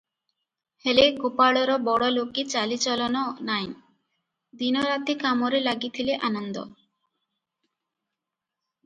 ହେଲେ, ଗୋପାଳର ବଡ଼ଲୋକୀ ଚାଲିଚଳନ ନାଇଁ, ଦିନ ରାତି କାମରେ ଲାଗିଥିଲେ ଆନନ୍ଦ ।